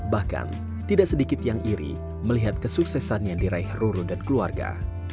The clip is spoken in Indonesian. bahkan tidak sedikit yang iri melihat kesuksesannya diraih roro dan keluarga